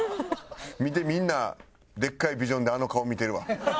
「見てみんなでっかいビジョンであの顔見てるわ」